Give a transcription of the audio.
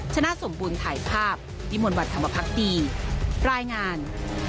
ชนะสมบูรณ์ถ่ายภาพรายงาน